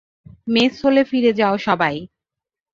Mace হলে ফিরে যাও সবাই!